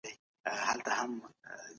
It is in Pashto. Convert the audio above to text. ته کولای شې چي خپلي هیلې پوره کړې.